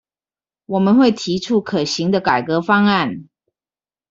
我們會提出可行的改革方案